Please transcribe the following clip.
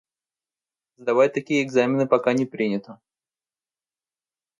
Сдавать такие экзамены пока не принято.